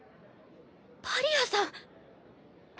パリアさん！